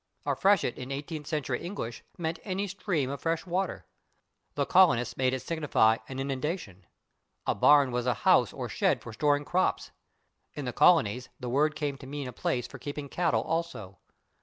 A /freshet/, in eighteenth century English, meant any stream of fresh water; the colonists made it signify an inundation. A /barn/ was a house or shed for storing crops; in the colonies the word came to mean a place for keeping cattle also.